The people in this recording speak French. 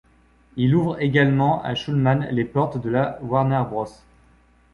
Il ouvre également à Shulman les portes de la Warner Bros.